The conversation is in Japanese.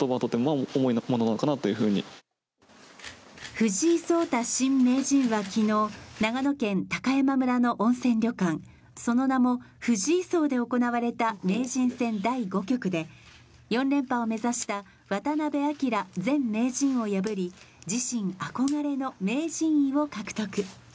藤井聡太新名人は昨日長野県高山村の温泉旅館、その名も藤井荘で行われた名人戦第５局で４連覇を目指した渡辺明前名人を破り、自身憧れの名人を獲得。